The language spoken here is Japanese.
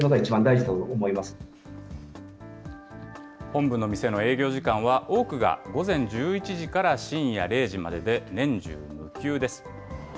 本部の店の営業時間は多くが午前１１時から深夜０時までで、年中無休です。